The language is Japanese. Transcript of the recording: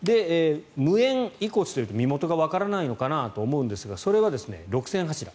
無縁遺骨というと身元がわからないのかなと思うんですがそれは６０００柱。